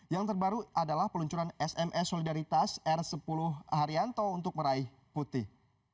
yang terbaru adalah peluncuran sms solidaritas r sepuluh haryanto untuk meraih putih